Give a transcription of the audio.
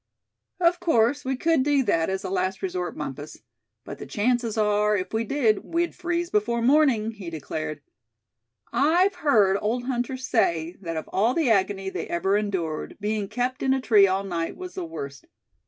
"Of course we could do that, as a last resort, Bumpus; but the chances are, if we did, we'd freeze before morning!" he declared. "I've heard old hunters say that of all the agony they ever endured, being kept in a tree all night was the worst.